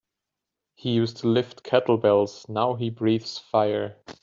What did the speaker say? He used to lift kettlebells now he breathes fire.